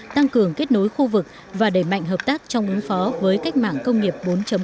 tăng cường kết nối khu vực và đẩy mạnh hợp tác trong ứng phó với cách mạng công nghiệp bốn